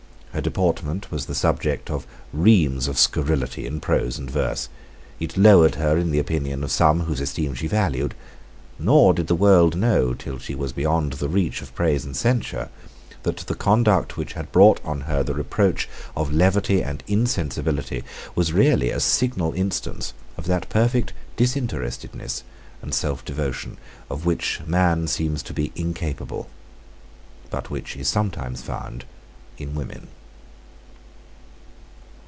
Her deportment was the subject of reams of scurrility in prose and verse: it lowered her in the opinion of some whose esteem she valued; nor did the world know, till she was beyond the reach of praise and censure, that the conduct which had brought on her the reproach of levity and insensibility was really a signal instance of that perfect disinterestedness and selfdevotion of which man seems to be incapable, but which is sometimes found in woman.